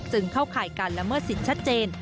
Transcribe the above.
ซึ่งเข้าข่ายกันรำเมิดสิทธิ์ชัดเจน